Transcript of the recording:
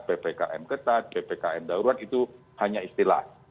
ppkm ketat ppkm darurat itu hanya istilah